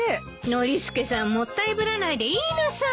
ノリスケさんもったいぶらないで言いなさいよ。